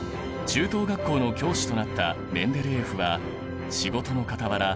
中等学校の教師となったメンデレーエフは仕事のかたわら